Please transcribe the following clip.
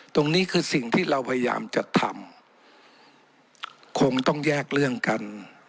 ตรงนี้คือสิ่งที่เราพยายามจะทำคงต้องแยกเรื่องกัน